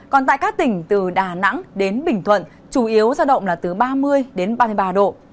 còn tại các tỉnh từ đà nẵng đến bình thuận chủ yếu giao động là từ ba mươi đến ba mươi ba độ